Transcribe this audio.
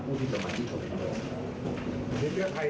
ผู้ที่จะมาที่สอสอวิทยาภาพ